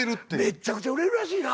めっちゃくちゃ売れるらしいな。